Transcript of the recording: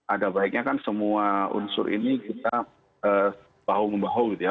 ada baiknya kan semua unsur ini kita bahu membahu gitu ya